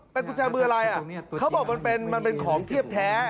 เป็นกุญแจมืออะไรอ่ะเขาบอกมันเป็นของเทียบแท้